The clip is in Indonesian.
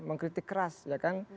mengkritik keras ya kan